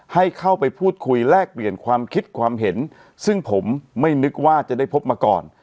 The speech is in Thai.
ให้เข้าไปพูดคุยแลกเปลี่ยนความคิดความเห็นซึ่งผมไม่นึกว่าจะได้พบมาก่อน